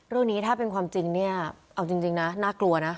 เรื่องนี้ถ้าเป็นความจริงเนี่ยเอาจริงนะน่ากลัวนะ